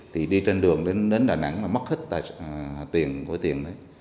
thì đi trên đường đến đà nẵng mà mất hết tiền của tiền đấy